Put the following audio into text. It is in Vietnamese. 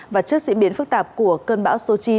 và trước diễn biến phức tạp của cơn bão số chín